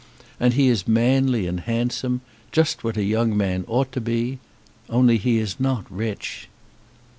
And he is manly and handsome; just what a young man ought to be. Only he is not rich."